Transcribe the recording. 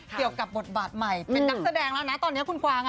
เกี่ยวกับบทบาทใหม่เป็นนักแสดงแล้วนะตอนนี้คุณกวาง